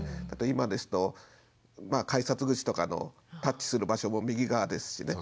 今ですと改札口とかのタッチする場所も右側ですしね。